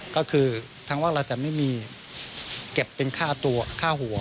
ก็คือทางว่าเราจะไม่มีเก็บเป็นค่าตัวค่าหัว